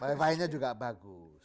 wifi nya juga bagus